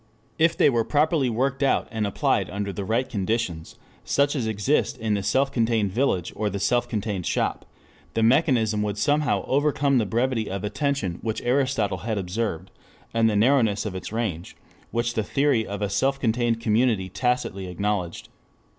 If they were properly worked out and applied under the right conditions, such as exist in the self contained village or the self contained shop, the mechanism would somehow overcome the brevity of attention which Aristotle had observed, and the narrowness of its range, which the theory of a self contained community tacitly acknowledged.